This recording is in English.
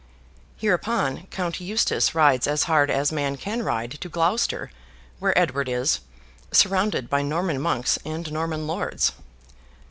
Hereupon, Count Eustace rides as hard as man can ride to Gloucester, where Edward is, surrounded by Norman monks and Norman lords.